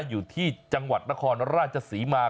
อยู่ที่จังหวัดนครราชศรีมา